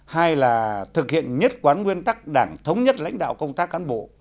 hai là thực hiện nhất quán nguyên tắc đảng thống nhất lãnh đạo công tác cán bộ